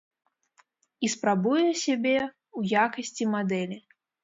І спрабуе сябе ў якасці мадэлі.